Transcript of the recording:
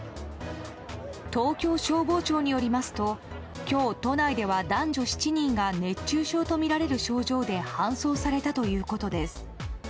東京消防庁によりますと今日、都内では男女７人が熱中症とみられる症状で搬送されたということです。